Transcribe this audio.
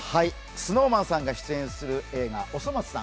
ＳｎｏｗＭａｎさんが出演する映画「おそ松さん」。